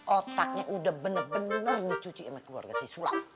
otaknya udah bener bener dicuciin sama keluarga si sulam